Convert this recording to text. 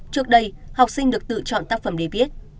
trước đây học sinh được tự chọn tác phẩm để viết